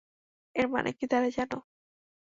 এর মানে কী দাঁড়ায় জানো?